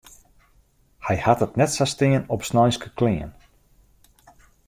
Hy hat it net sa stean op sneinske klean.